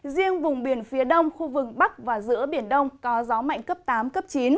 riêng vùng biển phía đông khu vực bắc và giữa biển đông có gió mạnh cấp tám cấp chín